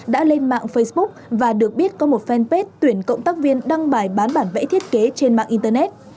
đã lên mạng facebook và được biết có một fanpage tuyển cộng tác viên đăng bài bán bản vẽ thiết kế trên mạng internet